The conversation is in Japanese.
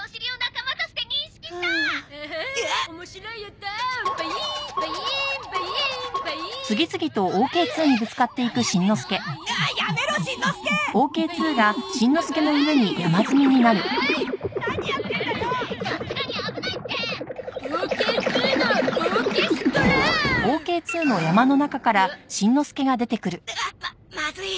まっまずい！